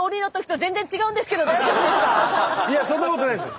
いやそんなことないです！